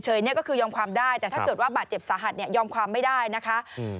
เนี่ยก็คือยอมความได้แต่ถ้าเกิดว่าบาดเจ็บสาหัสเนี่ยยอมความไม่ได้นะคะอืม